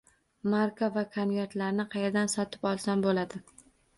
Marka va konvertlarni qayerdan sotib olsam bo'ladi?